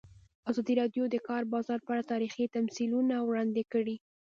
ازادي راډیو د د کار بازار په اړه تاریخي تمثیلونه وړاندې کړي.